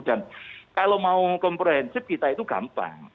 dan kalau mau komprehensif kita itu gampang